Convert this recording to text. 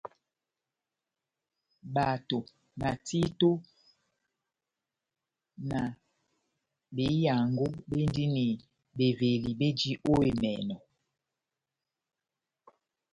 Bato, na títo, na behiyango béndini beveli béji ó emɛnɔ.